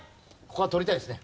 ここは取りたいですね。